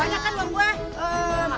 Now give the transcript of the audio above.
banyak kan uang gue